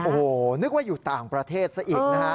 โอ้โหนึกว่าอยู่ต่างประเทศซะอีกนะฮะ